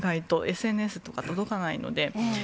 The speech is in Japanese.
ＳＮＳとか届かないので。